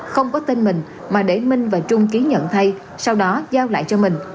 không có tên mình mà để minh và trung ký nhận thay sau đó giao lại cho mình